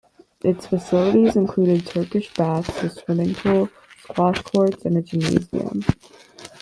Its facilities included Turkish baths, a swimming pool, squash courts and a gymnasium.